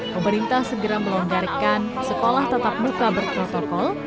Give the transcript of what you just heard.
pemerintah segera melonggarikan sekolah tetap buka berprotokol